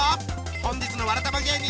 本日のわらたま芸人